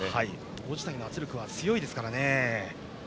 王子谷の圧力は強いですからね。